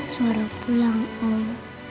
suara pulang om